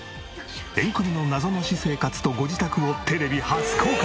エンクミの謎の私生活とご自宅をテレビ初公開！